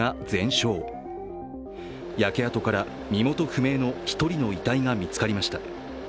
焼け跡から身元不明の１人の遺体が見つかりました。